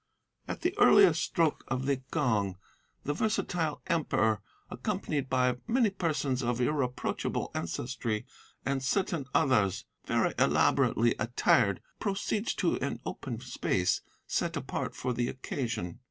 At the earliest stroke of the gong the versatile Emperor, accompanied by many persons of irreproachable ancestry and certain others, very elaborately attired, proceeds to an open space set apart for the occasion.